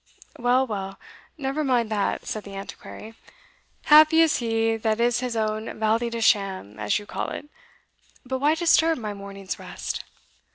"Well, well never mind that," said the Antiquary "happy is he that is his own valley de sham, as you call it But why disturb my morning's rest?"